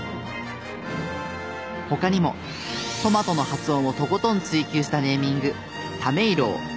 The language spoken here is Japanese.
他にもトマトの発音をとことん追求したネーミング「タメィロゥ」。